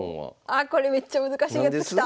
あっこれめっちゃ難しいやつきた！